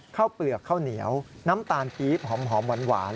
เปลือกข้าวเหนียวน้ำตาลกรี๊บหอมหวาน